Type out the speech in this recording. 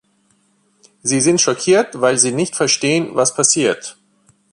Sie sind schockiert, weil sie nicht verstehen, was passiert.